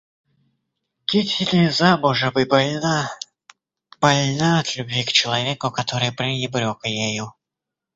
Кити не замужем и больна, больна от любви к человеку, который пренебрег ею.